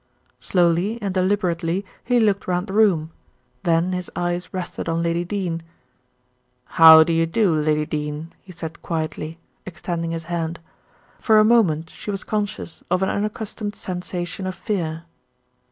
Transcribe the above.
Slowly and deliberately he looked round the room; then his eyes rested on Lady Dene. "How do you do, Lady Dene," he said quietly, extending his hand. For a moment she was conscious of an unaccustomed sensation of fear.